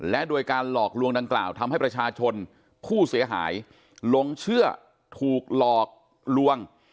และโดยการหลอกลวงดังกล่าวทำให้ประชาชนผู้เสียหายหลงเชื่อถูกหลอกลวง